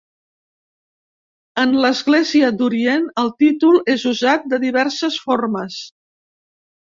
En l'Església d'Orient el títol és usat de diverses formes.